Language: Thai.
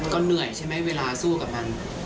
ก็เหนื่อยใช่ไหมเวลาสู้กับมัน